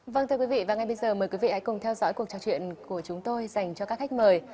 vâng thưa quý vị và ngay bây giờ mời quý vị hãy cùng theo dõi cuộc trò chuyện của chúng tôi dành cho các khách mời